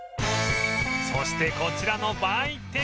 そしてこちらの売店